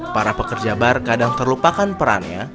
para pekerja bar kadang terlupakan perannya